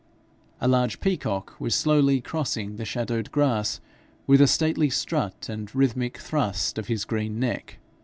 A large peacock was slowly crossing the shadowed grass with a stately strut and rhythmic thrust of his green neck.